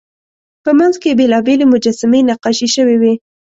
په منځ کې یې بېلابېلې مجسمې نقاشي شوې وې.